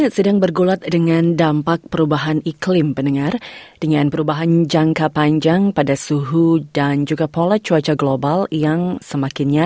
sampai jumpa di video selanjutnya